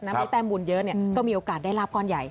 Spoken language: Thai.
ให้แต้มบุญเยอะก็มีโอกาสได้ลาบก้อนใหญ่